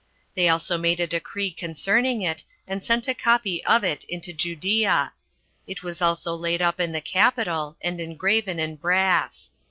They also made a decree concerning it, and sent a copy of it into Judea. It was also laid up in the capitol, and engraven in brass.